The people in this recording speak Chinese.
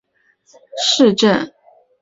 下齐梅尔恩是德国图林根州的一个市镇。